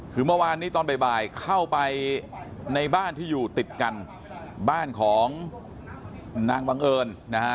คือเมื่อวานนี้ตอนบ่ายเข้าไปในบ้านที่อยู่ติดกันบ้านของนางบังเอิญนะฮะ